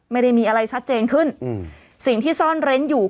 ไม่ได้มีอะไรชัดเจนขึ้นอืมสิ่งที่ซ่อนเร้นอยู่